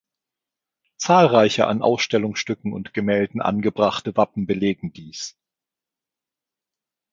Zahlreiche an Ausstattungsstücken und Gemälden angebrachte Wappen belegen dies.